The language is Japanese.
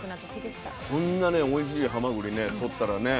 こんなねおいしいはまぐりねとったらね